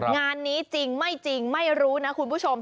งานนี้จริงไม่จริงไม่รู้นะคุณผู้ชม